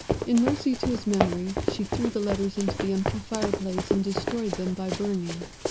In mercy to his memory she threw the letters into the empty fireplace, and destroyed them by burning.